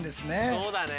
そうだね。